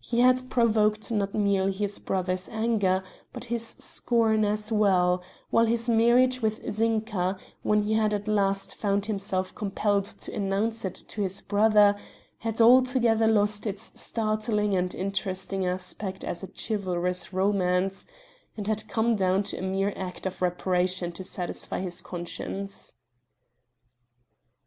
He had provoked not merely his brother's anger but his scorn as well, while his marriage with Zinka, when he had at last found himself compelled to announce it to his brother, had altogether lost its startling and interesting aspect as a chivalrous romance, and had come down to a mere act of reparation to satisfy his conscience.